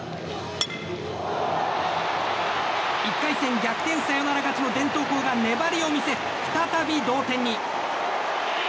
１回戦、逆転サヨナラ勝ちの伝統校が粘りを見せ再び同点に。